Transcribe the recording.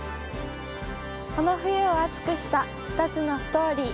この冬を熱くした２つのストーリー。